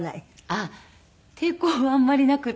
あっ抵抗はあんまりなくてですね